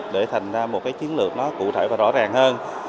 để thành ra một chiến lược cụ thể và rõ ràng hơn